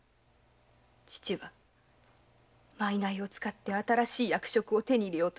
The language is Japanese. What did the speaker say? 父はマイナイを使って新しい役職を手に入れようとしています。